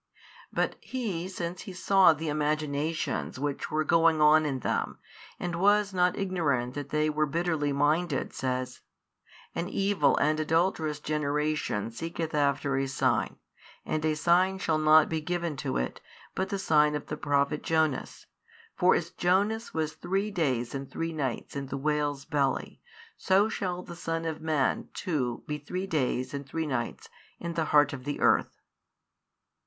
But He since He saw the imaginations which were going on in them, and was not ignorant that they were bitterly minded, says, An evil and adulterous generation seeketh after a sign, and a sign shall not be given to it, but the sign of the prophet Jonas; for as Jonas was three days and three nights in the |605 whale's belly, so shall the Son of man too be three days and three nights in the heart of the earth.